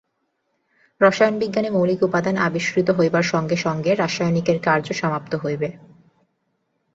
রসায়ন-বিজ্ঞানে মৌলিক উপাদান আবিষ্কৃত হইবার সঙ্গে সঙ্গে রাসায়নিকের কার্য সমাপ্ত হইবে।